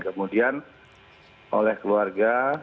kemudian oleh keluarga